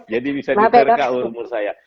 jadi bisa diterka umur saya